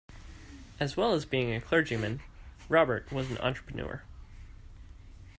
As well as being a clergyman, Robert was an entrepreneur.